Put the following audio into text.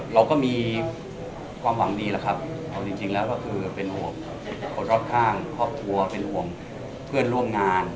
เราก็มีความหวังดีแหละครับเอาจริงแล้วก็คือเป็นห่วงคนรอบข้างครอบครัวเป็นห่วงเพื่อนร่วมงาน